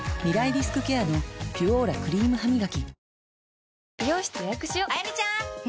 リスクケアの「ピュオーラ」クリームハミガキ